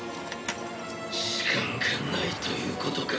時間がないということか。